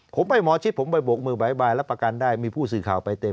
ผมไปหมอชิดผมไปบกมือบ่ายบายรับประกันได้มีผู้สื่อข่าวไปเต็ม